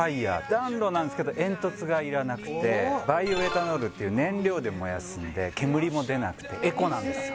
暖炉なんすけど煙突がいらなくてバイオエタノールっていう燃料で燃やすんで煙も出なくてエコなんですよ